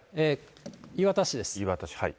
磐田市です。